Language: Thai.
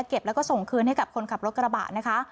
เก็บแล้วก็ส่งคืนให้กับคนขับรถกระบะนะคะ